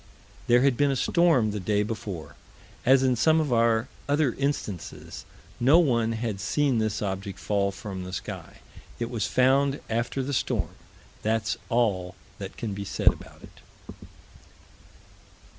There had been a storm the day before. As in some of our other instances, no one had seen this object fall from the sky. It was found after the storm: that's all that can be said about it.